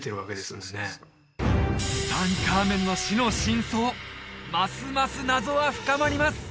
そうそうそうツタンカーメンの死の真相ますます謎は深まります